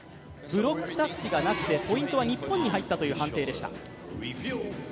ブロックタッチがなしでポイントが日本に入ったという判定でした。